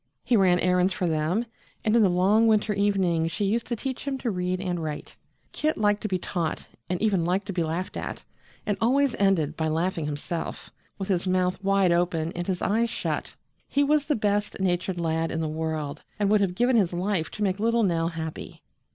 He ran errands for them, and in the long winter evenings she used to teach him to read and write. Kit liked to be taught and even liked to be laughed at, and always ended by laughing himself, with his mouth wide open and his eyes shut. He was the best natured lad in the world, and would have given his life to make little Nell happy.